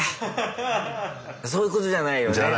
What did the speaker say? そういうことじゃないよね？じゃない。